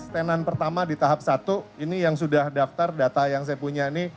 tenan pertama di tahap satu ini yang sudah daftar data yang saya punya ini